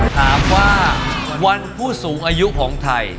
ถามว่าวันผู้สูงอายุของไทย